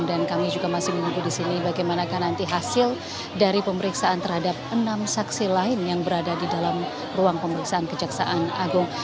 dan kami juga masih menunggu di sini bagaimana nanti hasil dari pemeriksaan terhadap enam saksi lain yang berada di dalam ruang pemeriksaan kejaksaan agung